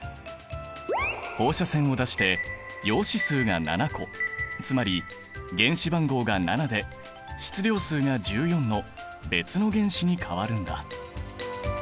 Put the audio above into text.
放射線を出して陽子数が７個つまり原子番号が７で質量数が１４の別の原子に変わるんだ。